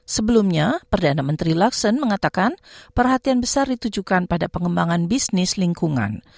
sebelumnya perdana menteri luxson mengatakan perhatian besar ditujukan pada pengembangan bisnis lingkungan